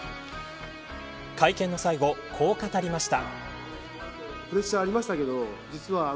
会見の最後、こう語りました。